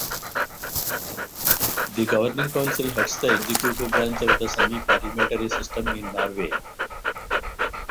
The Governing Council heads the executive branch of the Sami parliamentary system in Norway.